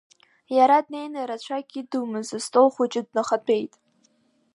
Иара днеины рацәак идумыз астол хәыҷы днахатәеит.